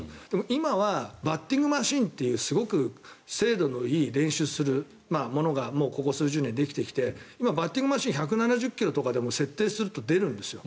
今はバッティングマシンというすごく精度のいい練習するものがここ数十年できてきて今、バッティングマシンは１７０ｋｍとかでも設定すると出るんですよ。